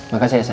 makasih ya san